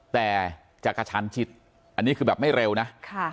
แต่จะกระชันชิดอันนี้คือแบบไม่เร็วนะ